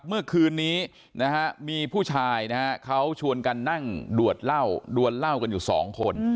เมื่อคืนนี้นะฮะมีผู้ชายนะฮะเขาชวนกันนั่งดวดเหล้าดวนเหล้ากันอยู่สองคน